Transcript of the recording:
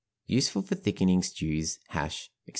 Useful for thickening stews, hash, etc.